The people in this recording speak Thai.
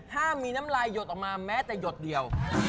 ห้ามมีน้ำลายหยดออกมาแม้แต่หยดเดียว